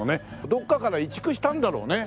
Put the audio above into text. どっかから移築したんだろうね。